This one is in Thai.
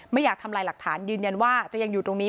ไม่อยากทำลายหลักฐานยืนยันว่าจะยังอยู่ตรงนี้